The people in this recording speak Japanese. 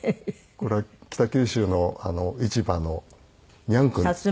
これは北九州の市場のニャン君です。